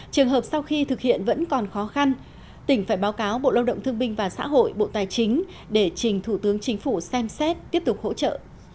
trường hợp sau khi thực hiện vẫn còn khó khăn tỉnh phải báo cáo bộ lao động thương binh và xã hội bộ tài chính để trình thủ tướng chính phủ xem xét tiếp tục hỗ trợ